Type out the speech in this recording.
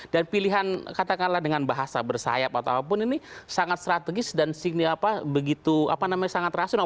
dan pilihan katakanlah dengan bahasa bersayap ataupun ini sangat strategis dan sangat rasional